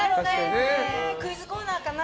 クイズコーナーかな。